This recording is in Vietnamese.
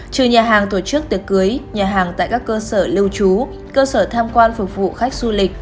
trừ nhà hàng tổ chức tiệc cưới nhà hàng tại các cơ sở lưu trú cơ sở tham quan phục vụ khách du lịch